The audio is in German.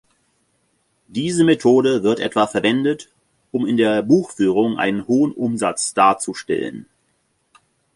Diese Methode wird etwa verwendet, um in der Buchführung einen hohen Umsatz darzustellen.